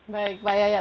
baik pak yayak